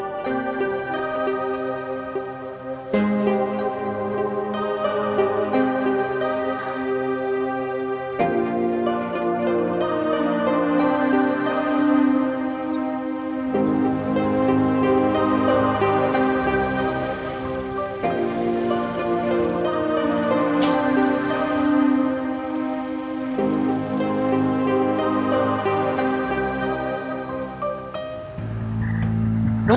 semana masuk udah